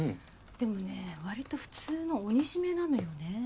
でもねわりと普通のお煮しめなのよね。